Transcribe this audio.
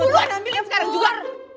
duluan ambil yang sekarang juga